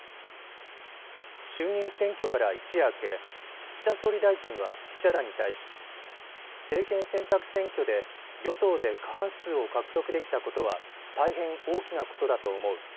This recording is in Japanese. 衆議院選挙から一夜明け、岸田総理大臣は記者団に対し政権選択選挙で与党で過半数を獲得できたことは大変大きなことだと思う。